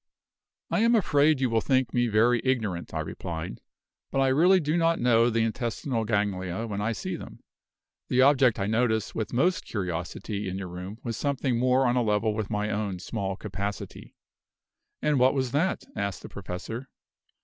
"I am afraid you will think me very ignorant," I replied. "But I really do not know the intestinal ganglia when I see them. The object I noticed with most curiosity in your room was something more on a level with my own small capacity." "And what was that?" asked the Professor.